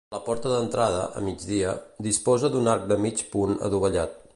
La porta d'entrada, a migdia, disposa d'un arc de mig punt adovellat.